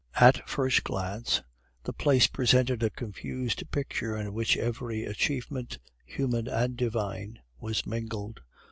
At a first glance the place presented a confused picture in which every achievement, human and divine, was mingled.